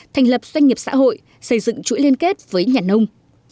thành lập doanh nghiệp xã hội xây dựng chuỗi liên kết với nhà nông